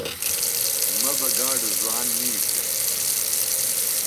مہ بہ گاڈوۡ زوان مِیش دےۡ